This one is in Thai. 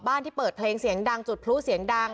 ที่เปิดเพลงเสียงดังจุดพลุเสียงดัง